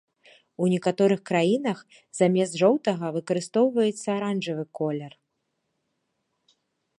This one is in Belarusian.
У некаторых краінах замест жоўтага выкарыстоўваецца аранжавы колер.